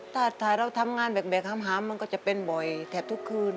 ถ้าเราทำงานแบกหามมันก็จะเป็นบ่อยแทบทุกคืน